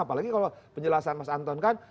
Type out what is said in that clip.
apalagi kalau penjelasan mas anton kan